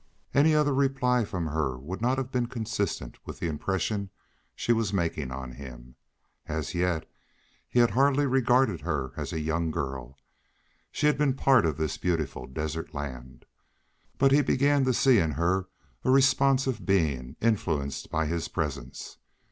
Any other reply from her would not have been consistent with the impression she was making on him. As yet he had hardly regarded her as a young girl; she had been part of this beautiful desert land. But he began to see in her a responsive being, influenced by his presence.